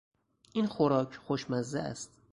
این خوراک خوشمزه است.